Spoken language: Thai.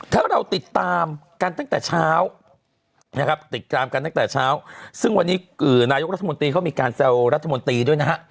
ถ้าเราติดตามกันตั้งแต่เช้านะครับติดตามกันตั้งแต่เช้าซึ่งวันนี้นายกรัฐมนตรีเขามีการแซวรัฐมนตรีด้วยนะฮะ